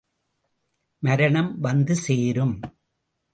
மரணம் வந்து சேரும்!